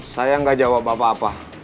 saya nggak jawab apa apa